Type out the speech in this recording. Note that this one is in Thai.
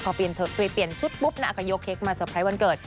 พอเปลี่ยนชุดปุ๊บนะก็ยกเค้กมาเตอร์ไพรส์วันเกิด